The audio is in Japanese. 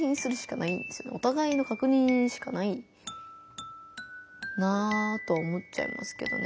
おたがいのかくにんしかないなとは思っちゃいますけどね。